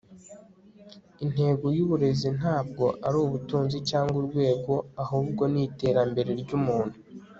intego yuburezi ntabwo ari ubutunzi cyangwa urwego, ahubwo ni iterambere ryumuntu